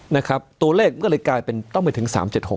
นะครับตัวเลขมันก็เลยกลายเป็นต้องไปถึง๓๗๖